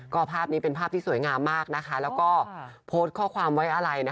ก็ภาพนี้เป็นภาพที่สวยงามมากแล้วก็โพสต์ข้อความไว้อะไร